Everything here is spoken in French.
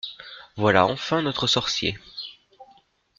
Voilà enfin notre sorcier…